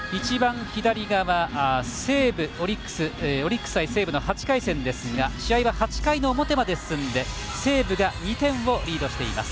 西武・オリックスの８回戦ですが試合は８回の表まで進んで西武が２点をリードしています。